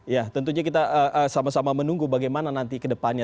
ya tentunya kita sama sama menunggu bagaimana nanti kedepannya